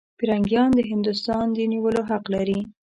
پیرنګیان د هندوستان د نیولو حق لري.